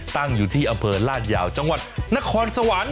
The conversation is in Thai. ตั้งอยู่ที่อำเภอลาดยาวจังหวัดนครสวรรค์